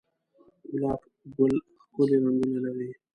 گلاب گل ښکلي رنگونه لري